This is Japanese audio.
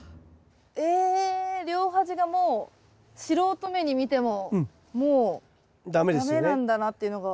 え両端がもう素人目に見てももう駄目なんだなっていうのが。